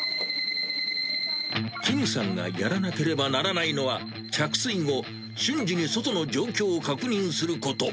キムさんがやらなければならないのは、着水後、瞬時に外の状況を確認すること。